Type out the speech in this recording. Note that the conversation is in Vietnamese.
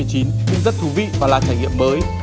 cũng rất thú vị và là trải nghiệm mới